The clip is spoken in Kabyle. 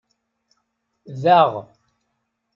Daɣ.